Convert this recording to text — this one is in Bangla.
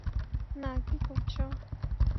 না, কী করছো?